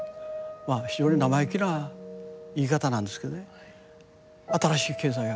まあ非常に生意気な言い方なんですけどね新しい経済学